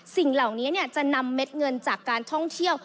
สิ่งเหล่านี้จะนำเม็ดเงินจากการท่องเที่ยว